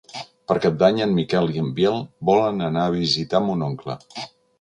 Per Cap d'Any en Miquel i en Biel volen anar a visitar mon oncle.